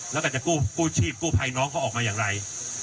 แล้วก็จะกู้ชีพกู้ภัยน้องเขาออกมาอย่างไร